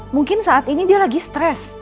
mungkin saat ini dia lagi stres